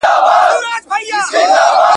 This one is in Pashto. شیخ له زمانو راته په قار دی بیا به نه وینو !.